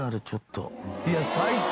いや最高！